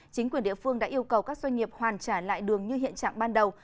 chính quyền địa phương đã yêu cầu các doanh nghiệp hoàn trả lại đường như hiện trạng ban đầu